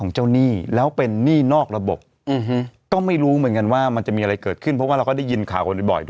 สนหลังก็รู้สึกว่าเขาไม่ปลอดภัย